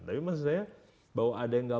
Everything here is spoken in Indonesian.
tapi maksudnya ya bahwa ada yang nggak